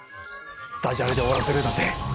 ダジャレで終わらせるなんて。